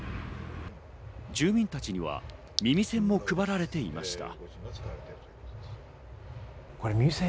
住民たちには耳栓も配られていました。